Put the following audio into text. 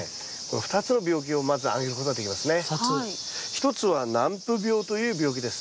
一つは軟腐病という病気です。